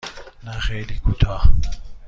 نه خیلی کوتاه.